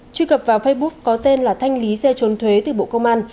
truy cập vào facebook có tên là thanh lý xe trốn thuế từ bộ công an